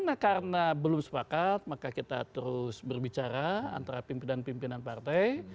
nah karena belum sepakat maka kita terus berbicara antara pimpinan pimpinan partai